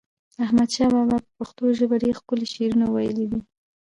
احمد شاه بابا په پښتو ژپه ډیر ښکلی شعرونه وایلی دی